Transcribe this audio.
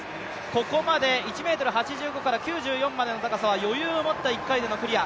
ここまで１ｍ８５から９４の高さは余裕をもって１回目でのクリア。